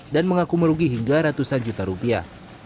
dan mengaku merugi hingga ratusan juta rupiah